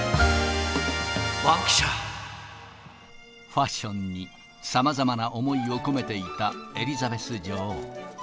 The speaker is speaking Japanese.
ファッションにさまざまな思いを込めていたエリザベス女王。